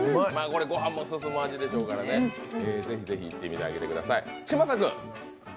ご飯も進む味でしょうからね、ぜひぜひ、行ってみてください。